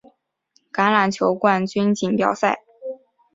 橄榄球冠军锦标赛。